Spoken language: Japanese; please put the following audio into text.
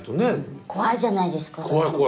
怖いじゃないですかだって。